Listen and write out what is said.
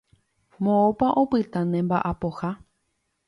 Moõpa opyta ne mba'apoha.